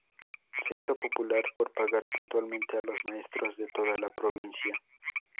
Se hizo popular por pagar puntualmente a los maestros de toda la provincia.